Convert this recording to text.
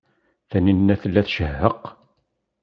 Taninna tella tcehheq.